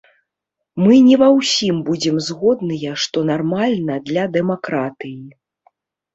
Мы не ва ўсім будзем згодныя, што нармальна для дэмакратыі.